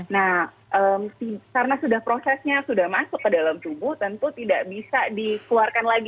nah karena prosesnya sudah masuk ke dalam tubuh tentu tidak bisa dikeluarkan lagi